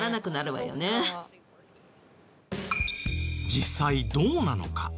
実際どうなのか？